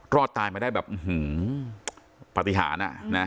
รอดตายมาได้แบบอื้อหือปฏิหาร